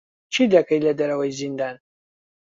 چی دەکەیت لە دەرەوەی زیندان؟